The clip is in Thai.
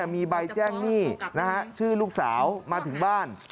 มีใบแจ้งหนี้ชื่อลูกสาวมาถึงบ้าน